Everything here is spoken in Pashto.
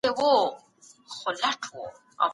زه هر وخت هڅه کوم چي ښه انسان واوسم.